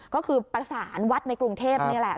ก็คือประสานวัดในกรุงเทพนี่แหละ